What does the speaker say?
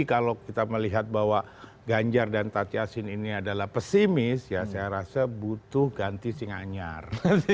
kalau kita melihat bahwa ganjar dan tatyasin ini adalah pesimis ya saya rasa butuh ganti singanyar